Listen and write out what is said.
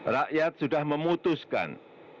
rakyat sudah memutuskan